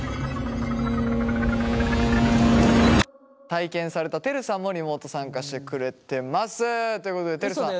体験されたてるさんもリモート参加してくれてます。ということでてるさん。